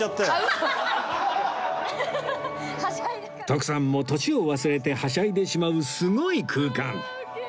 徳さんも年を忘れてはしゃいでしまうすごい空間